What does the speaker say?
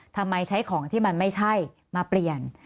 ทำไมใช้ของที่มันไม่ใช่มาเปลี่ยน